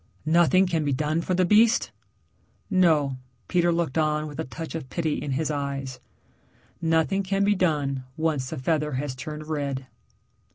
"Nothing can be done for the beast?" "No." Peter looked on with a touch of pity in his eyes, "Nothing can be done once the feather has turned red."